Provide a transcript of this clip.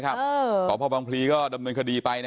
ตำรวจต้องไล่ตามกว่าจะรองรับเหตุได้